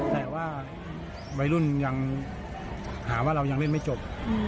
แต่ว่าวัยรุ่นยังหาว่าเรายังเล่นไม่จบ